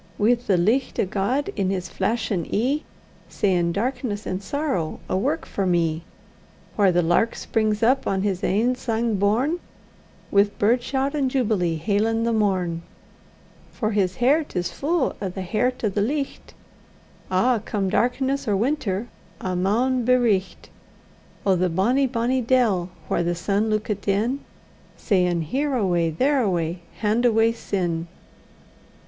Wi' the licht o' God in his flashin' ee, Sayin', Darkness and sorrow a' work for me! Whaur the lark springs up on his ain sang borne, Wi' bird shout and jubilee hailin' the morn; For his hert is fu' o' the hert o' the licht, An', come darkness or winter, a' maun be richt! Oh! the bonny, bonny dell, whaur the sun luikit in, Sayin', Here awa', there awa', hand awa', sin.